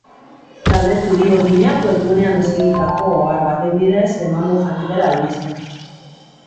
Talde txuri-urdinak webgunean eskegitako ohar baten bidez eman du jakitera albistea.